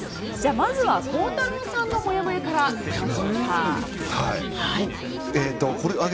まずは、孝太郎さんのもやもやから行きましょうか。